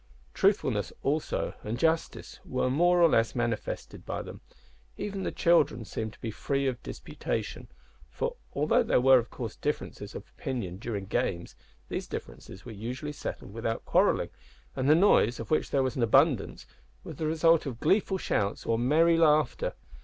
Truthfulness, also, and justice were more or less manifested by them. Even the children seemed to be free from disputation; for, although there were of course differences of opinion during games, these differences were usually settled without quarrelling, and the noise, of which there was abundance, was the result of gleeful shouts or merry laughter.